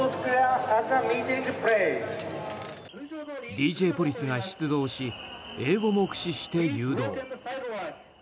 ＤＪポリスが出動し英語も駆使して誘導。